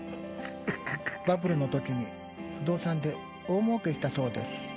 バブルのときに不動産で大もうけしたそうです